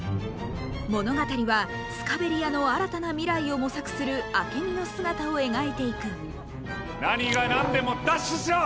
物語はスカベリアの新たな未来を模索するアケミの姿を描いていく何が何でも奪取しろ！